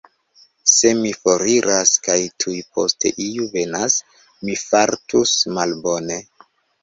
Se mi foriras kaj tuj poste iu venas, mi fartus malbone.